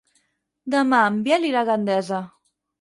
Demà en Biel irà a Gandesa.